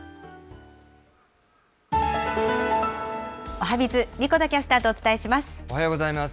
おはＢｉｚ、神子田キャスターとお伝えします。